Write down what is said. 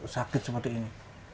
sakit seperti ini